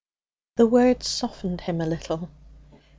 The words softened him a little.